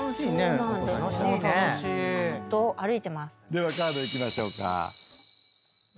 ではカードいきましょうか。